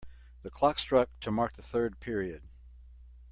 The clock struck to mark the third period.